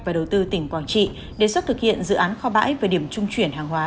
và đầu tư tỉnh quảng trị đề xuất thực hiện dự án kho bãi về điểm trung chuyển hàng hóa